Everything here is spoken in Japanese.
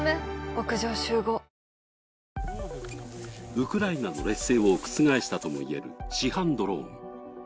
ウクライナの劣勢を覆したとも言える市販ドローン。